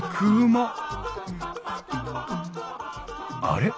あれ？